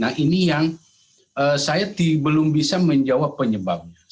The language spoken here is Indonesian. nah ini yang saya belum bisa menjawab penyebabnya